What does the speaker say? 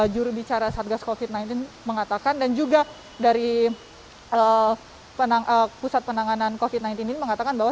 jurubicara satgas covid sembilan belas mengatakan dan juga dari pusat penanganan covid sembilan belas ini mengatakan bahwa